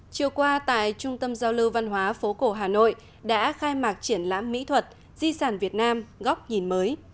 chiều qua tại trung tâm giao lưu văn hóa phố cổ hà nội đã khai mạc triển lãm mỹ thuật di sản việt nam góc nhìn mới